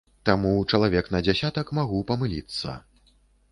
Таму чалавек на дзясятак магу памыліцца.